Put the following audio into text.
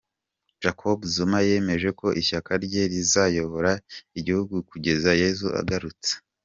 Jacob Zuma yemeza ko ishyaka rye rizayobora igihugu kugeza Yesu agarutse